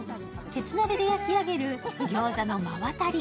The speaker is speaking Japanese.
鉄鍋で焼き上げる餃子の馬渡。